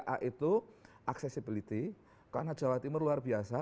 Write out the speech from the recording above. a itu accessibility karena jawa timur luar biasa